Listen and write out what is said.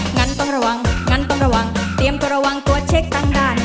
งั้นต้องระวังงั้นต้องระวังเตรียมตัวระวังตัวเช็คตั้งด้าน